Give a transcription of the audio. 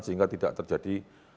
sehingga tidak terjadi